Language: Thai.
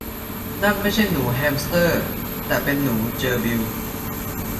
นั่นไม่ใช่หนูแฮมสเตอร์ แต่เป็นหนูเจอร์บิล